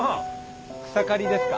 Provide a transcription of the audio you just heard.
草刈りですか？